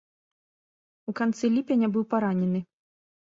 У канцы ліпеня быў паранены.